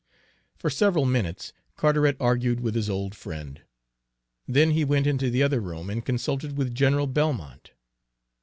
For several minutes Carteret argued with his old friend. Then he went into the other room and consulted with General Belmont.